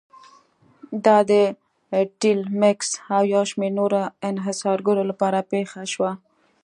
دا د ټیلمکس او یو شمېر نورو انحصارګرو لپاره پېښه شوه.